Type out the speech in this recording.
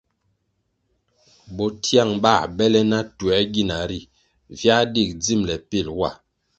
Bo tiang bãh bele na tuĕr gina ri viáh dig dzimbele pil wa.